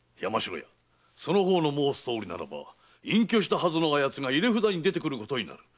その方の申すとおりならば隠居したはずのあ奴が入札に出てくることになる。